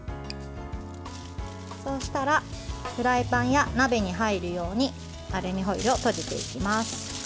そうしたら、フライパンや鍋に入るようにアルミホイルを閉じていきます。